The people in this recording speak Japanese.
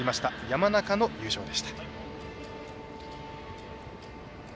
山中の優勝でした。